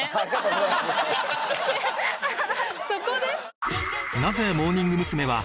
・そこで？